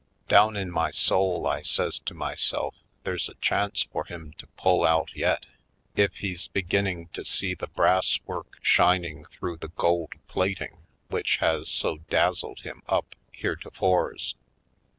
Down in my soul I says to myself there's a chance for him to pull out yet if he's be ginning to see the brass work shining through the gold plating which has so dazzled him up heretofores.